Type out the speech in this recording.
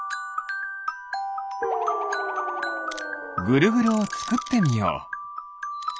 ぐるぐるをつくってみよう！